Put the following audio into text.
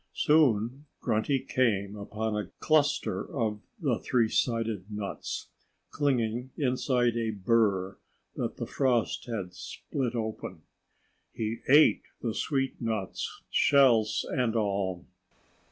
Soon Grunty came upon a cluster of the three sided nuts, clinging inside a bur that the frost had split open. He ate the sweet nuts, shells and all.